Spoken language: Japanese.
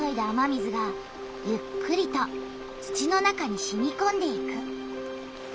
雨水がゆっくりと土の中にしみこんでいく。